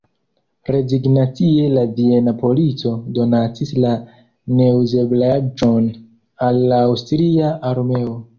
Rezignacie la viena polico donacis la neuzeblaĵon al la aŭstria armeo.